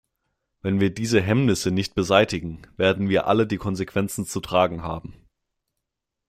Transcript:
Wenn wir diese Hemmnisse nicht beseitigen, werden wir alle die Konsequenzen zu tragen haben.